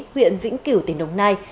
huyện vĩnh cửu tỉnh đồng nai